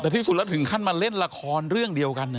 แต่ที่สุดแล้วถึงขั้นมาเล่นละครเรื่องเดียวกัน